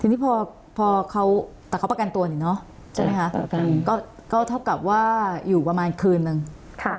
ทีนี้พอพอเขาแต่เขาประกันตัวเนี่ยเนอะใช่ไหมคะประกันก็ก็เท่ากับว่าอยู่ประมาณคืนนึงค่ะ